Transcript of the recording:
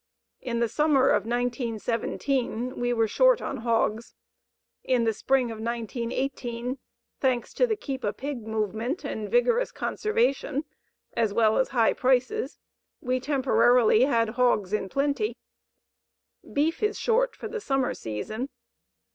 In the summer of 1917 we were short on hogs. In the spring of 1918, thanks to the "keep a pig" movement and vigorous conservation, as well as high prices, we temporarily had hogs in plenty. Beef is short for the summer season.